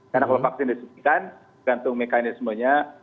karena kalau vaksin disuntikan bergantung mekanismenya